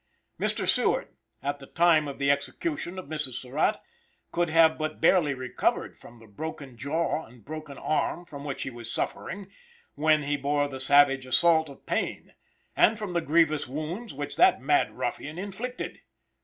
Mr. Seward, at the time of the execution of Mrs. Surratt, could have but barely recovered from the broken jaw and broken arm from which he was suffering, when he bore the savage assault of Payne, and from the grievous wounds which that mad ruffian inflicted.